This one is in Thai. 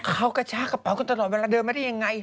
เขากระชากระเป๋ากันตลอดเวลาเดินมาได้ยังไง